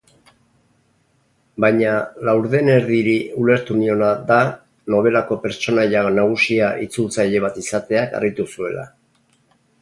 Baina Laurdenerdiri ulertu niona da nobelako pertsonaia nagusia itzultzaile bat izateak harritu zuela.